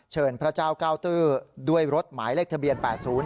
พระเจ้าเก้าตื้อด้วยรถหมายเลขทะเบียน๘๐